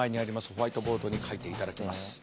ホワイトボードに書いていただきます。